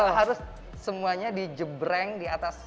harus semuanya dijebreng di atas